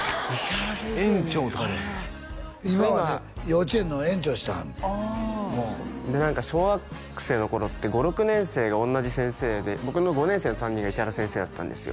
あらら「えんちょう」って書いて今はね幼稚園の園長してはんのああで小学生の頃って５６年生が同じ先生で僕の５年生の担任が石原先生だったんですよ